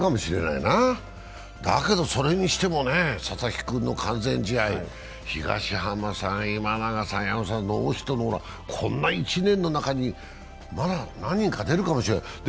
だけどそれにしてもね、佐々木君の完全試合、東浜さん、今永さんのノーヒットノーラン、こんな１年の中にまだ何人か出るかもしれない。